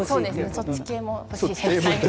そっち系も。